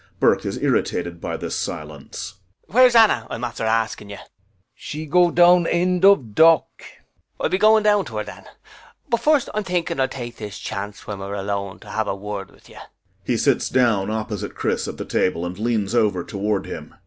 BURKE is irritated by this silence.] Where's Anna, I'm after asking you? CHRIS [Hesitating then grouchily.] She go down end of dock. BURKE I'll be going down to her, then. But first I'm thinking I'll take this chance when we're alone to have a word with you. [He sits down opposite CHRIS at the table and leans over toward him.